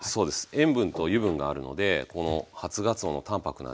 塩分と油分があるのでこの初がつおの淡泊な味